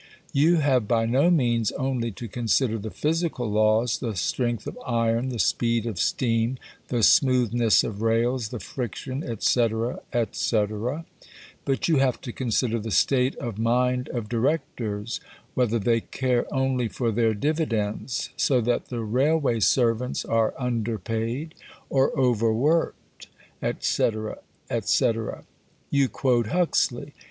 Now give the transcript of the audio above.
You have by no means only to consider the "physical" laws the strength of iron, the speed of steam, the smoothness of rails, the friction &c., &c. but you have to consider the state of mind of Directors, whether they care only for their dividends, so that the railway servants are underpaid or overworked &c., &c. You quote Huxley.